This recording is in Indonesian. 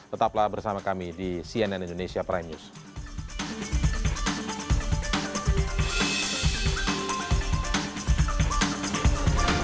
tetaplah bersama kami di cnn indonesia prime news